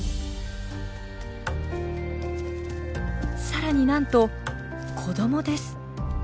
さらになんと子どもです。